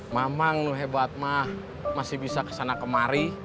mamah kamu hebat mamah masih bisa kesana kemari